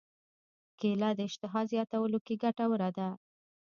کېله د اشتها زیاتولو کې ګټوره ده.